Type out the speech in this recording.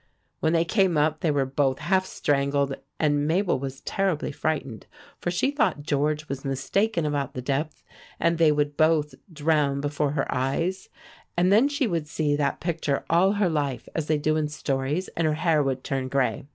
When they came up they were both half strangled, and Mabel was terribly frightened; for she thought George was mistaken about the depth, and they would both drown before her eyes; and then she would see that picture all her life, as they do in stories, and her hair would turn gray.